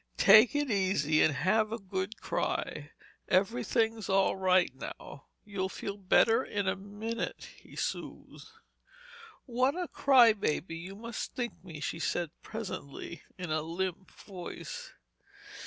"Take it easy and have a good cry. Everything's all right now. You'll feel better in a minute," he soothed. "What a crybaby you must think me," she said presently, in a limp voice.